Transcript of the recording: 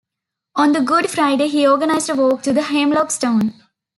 On the Good Friday he organised a walk to the Hemlock Stone.